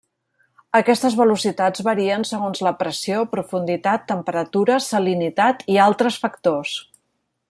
Aquestes velocitats varien segons la pressió, profunditat, temperatura, salinitat i altres factors.